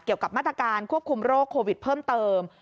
เกี่ยวกับมาตรการควบคุมโรคโควิดเพิ่มเติม